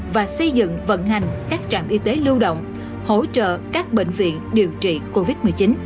và xây dựng vận hành các trạm y tế lưu động hỗ trợ các bệnh viện điều trị covid một mươi chín